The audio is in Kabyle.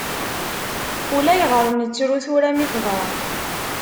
Ulayɣer nettru tura mi teḍra.